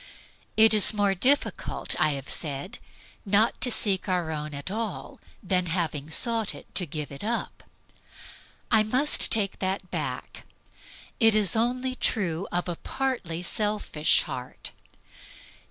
It is more difficult, I have said, not to seek our own at all than, having sought it, to give it up. I must take that back. It is only true of a partly selfish heart.